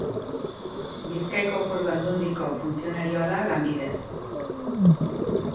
Bizkaiko Foru Aldundiko funtzionarioa da lanbidez.